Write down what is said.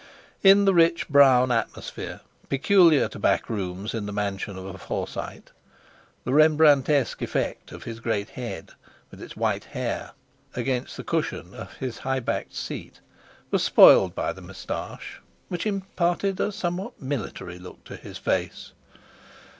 In the rich brown atmosphere peculiar to back rooms in the mansion of a Forsyte, the Rembrandtesque effect of his great head, with its white hair, against the cushion of his high backed seat, was spoiled by the moustache, which imparted a somewhat military look to his face.